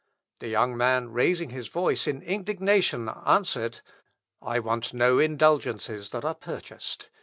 The young man, raising his voice in indignation, answered, "I want no indulgences that are purchased.